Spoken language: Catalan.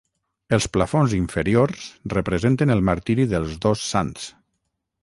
Els plafons inferiors representen el martiri dels dos sants.